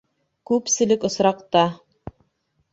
Күпселек осраҡта